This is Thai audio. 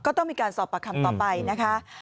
ต้องมีการสอบปากคำต่อไปนะคะ